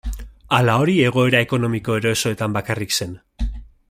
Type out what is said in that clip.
Ala hori egoera ekonomiko erosoetan bakarrik zen?